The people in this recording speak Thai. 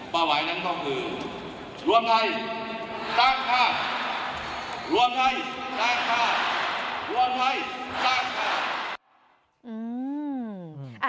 เป้าหมายนั้นก็คือรวมไทยตั้งภาพ